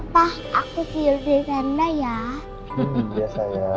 pak aku ke sana ya